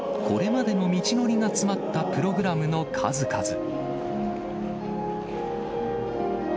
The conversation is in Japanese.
これまでの道のりが詰まったプログラムの数々。